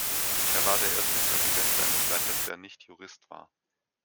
Er war der erste Präsident seines Landes, der nicht Jurist war.